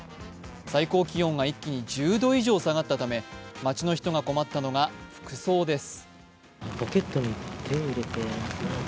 最高気温が一気に１０度以上下がったため街の人が困ったのが服装です。